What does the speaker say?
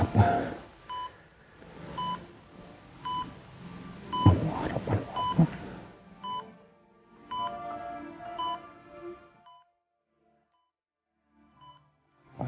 apa kamu harap harap aku